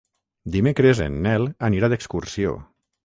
Dimecres en Nel anirà d'excursió.